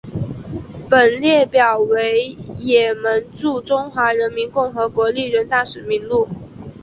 本列表为也门驻中华人民共和国历任大使名录。